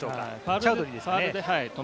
チャウドリーですね。